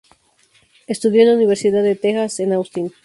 Estudió en la Universidad de Texas en Austin.